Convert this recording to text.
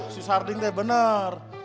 si sardung teh benar